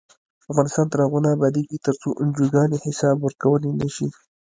افغانستان تر هغو نه ابادیږي، ترڅو انجوګانې حساب ورکوونکې نشي.